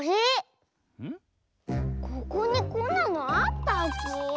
ここにこんなのあったっけ？